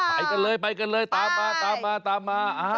ไปกันเลยไปกันเลยตามมาตามมาตามมา